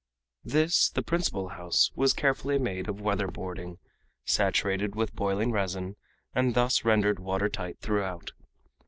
This, the principal house, was carefully made of weather boarding, saturated with boiling resin, and thus rendered water tight throughout.